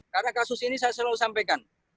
karena kasus ini saya selalu sampaikan